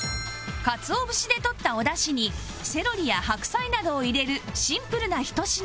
かつお節でとったおだしにセロリや白菜などを入れるシンプルなひと品